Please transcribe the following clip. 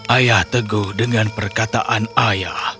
ayah teguh dengan perkataan ayah